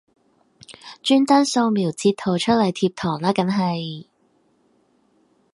專登掃瞄截圖出嚟貼堂啦梗係